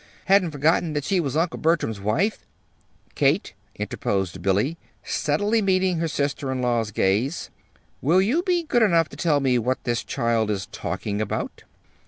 "Hadn't forgotten that she was Uncle Bertram's wife." "Kate," interposed Billy, steadily meeting her sister in law's gaze, "will you be good enough to tell me what this child is talking about?"